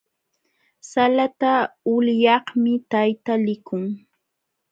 Salata ulyaqmi tayta likun.